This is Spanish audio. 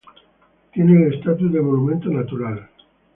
Tiene el estatus de Monumento Natural.